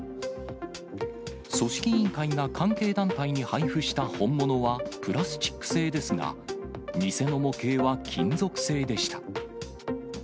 組織委員会が関係団体に配布した本物はプラスチック製ですが、偽の模型は金属製でした。